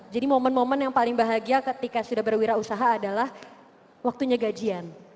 jadi momen momen yang paling bahagia ketika sudah berwirausaha adalah waktunya gajian